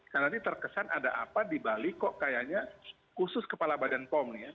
karena nanti terkesan ada apa di bali kok kayaknya khusus kepala badan pom ya